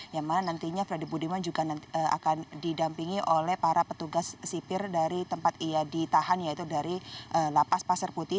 yang mana nantinya freddy budiman juga akan didampingi oleh para petugas sipir dari tempat ia ditahan yaitu dari lapas pasir putih